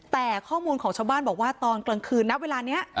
แต่ข้อมูลของชาวบ้านบอกว่าตอนกลางคืนนะเวลานี้